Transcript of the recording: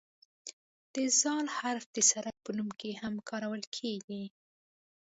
د "ذ" حرف د سړک په نوم کې هم کارول کیږي.